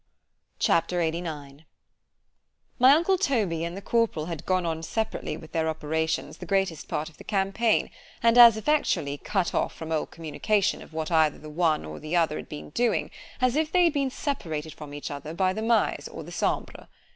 C H A P. LXXXIX MY uncle Toby and the corporal had gone on separately with their operations the greatest part of the campaign, and as effectually cut off from all communication of what either the one or the other had been doing, as if they had been separated from each other by the Maes or the _Sambre.